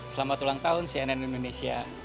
selamat ulang tahun cnn indonesia